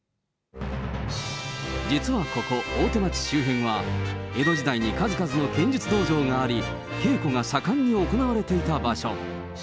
実はここ、大手町周辺は、江戸時代に数々の剣術道場があり、稽古が盛んに行われていた場所。